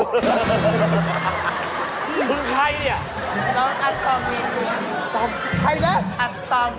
เพิ่งใครนี่น้องอัตตำดีดีกว่าใครนะอัตตำ